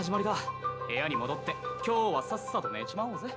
部屋に戻って今日はさっさと寝ちまおうぜ。